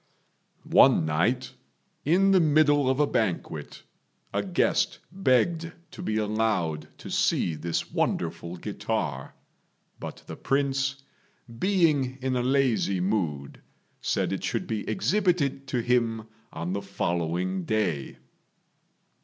One night, in the middle of a banquet, a guest begged to be allowed to see this wonderful guitar; but the Prince, being in a lazy mood, said it should be exhibited to him on the following day.